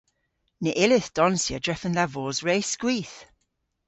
Ny yllydh donsya drefen dha vos re skwith.